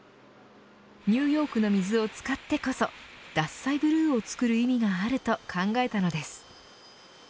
ニューヨークの水を使ってこそ獺祭ブルーを造る意味があると考えたのです。